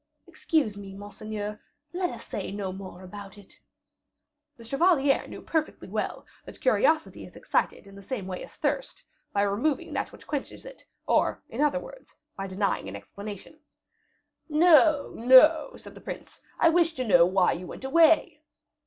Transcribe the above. "Excuse me, monseigneur, let us say no more about it." The chevalier knew perfectly well that curiosity is excited in the same way as thirst by removing that which quenches it; or in other words, by denying an explanation. "No, no," said the prince; "I wish to know why you went away."